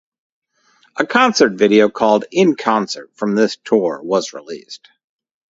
A concert video, called "In Concert", from this tour was released.